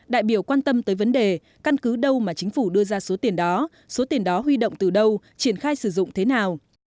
đại biểu quan tâm tới vấn đề căn cứ đâu mà chính phủ đưa ra số tiền đó số tiền đó huy động từ đâu triển khai sử dụng thế nào